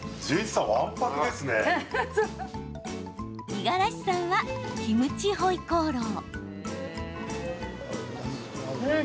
五十嵐さんはキムチホイコーロー。